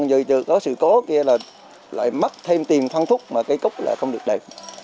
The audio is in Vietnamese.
còn giờ có sự cố kia là lại mất thêm tiền phân thuốc mà cây cúc lại không được đẹp